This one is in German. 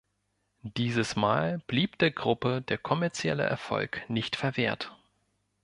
Dieses Mal blieb der Gruppe der kommerzielle Erfolg nicht verwehrt.